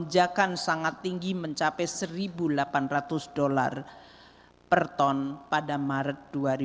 lonjakan sangat tinggi mencapai satu delapan ratus dolar per ton pada maret dua ribu dua puluh